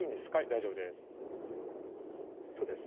大丈夫ですそうです